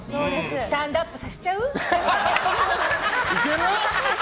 スタンドアップさせちゃう？